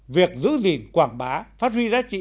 việc giữ gìn quảng bá phát huy giá trị